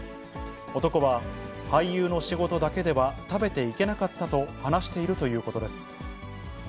男は、俳優の仕事だけでは食べていけなかったと話しているということです。